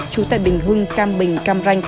chú tài kim sơn